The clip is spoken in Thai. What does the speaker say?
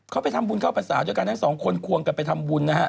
เขาไปทำบุญเข้าพรรษาด้วยกันทั้งสองคนควงกันไปทำบุญนะฮะ